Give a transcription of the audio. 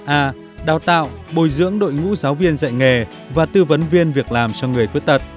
a đào tạo bồi dưỡng đội ngũ giáo viên dạy nghề và tư vấn viên việc làm cho người khuyết tật